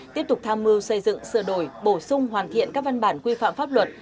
tiếp tục tham mưu xây dựng sửa đổi bổ sung hoàn thiện các văn bản quy phạm pháp luật